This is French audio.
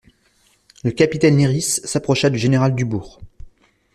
Le capitaine Lyrisse s'approcha du général Dubourg.